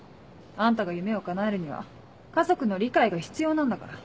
あんたが夢をかなえるには家族の理解が必要なんだから。